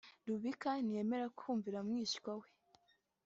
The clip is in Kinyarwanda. Rubika ntiyemera kumvira mwishywa we